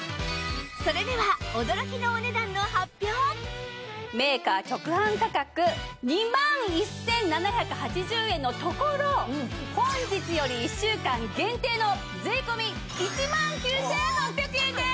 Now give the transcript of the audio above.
それではメーカー直販価格２万１７８０円のところ本日より１週間限定の税込１万９８００円です！